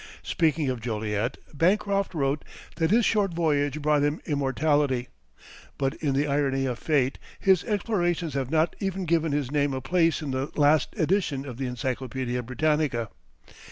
Speaking of Joliet, Bancroft wrote that his short voyage brought him immortality; but in the irony of fate his explorations have not even given his name a place in the last edition of the Encyclopædia Britannica.